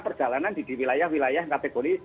perjalanan di wilayah wilayah kategori